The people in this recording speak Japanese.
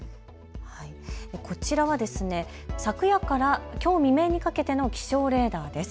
こちらは昨夜からきょう未明にかけての気象レーダーです。